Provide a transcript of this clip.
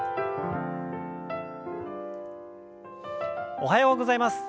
おはようございます。